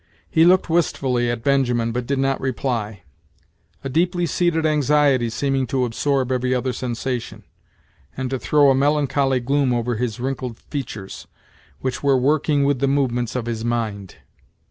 He looked wistfully at Benjamin, but did not reply; a deeply seated anxiety seeming to absorb every other sensation, and to throw a melancholy gloom over his wrinkled features, which were working with the movements of his mind.